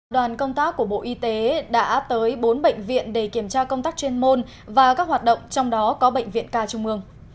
đoàn công tác của bộ y tế đã tới bốn bệnh viện để kiểm tra công tác chuyên môn và các hoạt động trong đó có bệnh viện ca trung ương